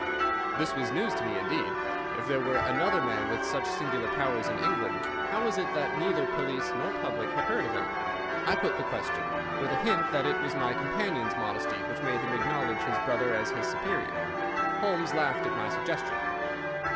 This was news to me indeed. If there were another man with such singular powers in England, how was it that neither police nor public had heard of him? I put the question, with a hint that it was my companion's modesty which made him acknowledge his brother as his superior. Holmes laughed at my suggestion.